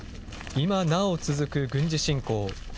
今なお続く軍事侵攻。